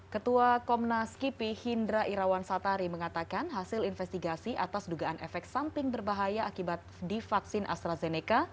ketua komnas kipi hindra irawan satari mengatakan hasil investigasi atas dugaan efek samping berbahaya akibat divaksin astrazeneca